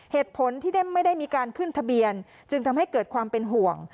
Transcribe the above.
เหตุผลที่ไม่ได้มีการขึ้นทะเบียนจึงทำให้เกิดความเป็นห่วง